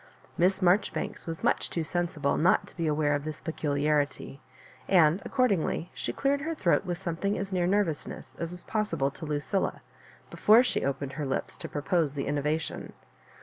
Miss Marjoribanks was m^h too sensible not to be aware of this peculiarity ; and acoordinglj she cleared her throat with something as near nervousness as was possible to Lucilla before she opened her lips to. propose the innovation.